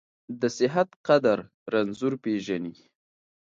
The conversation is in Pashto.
د صحت قدر رنځور پېژني.